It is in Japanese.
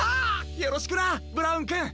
よろしくなブラウンくん！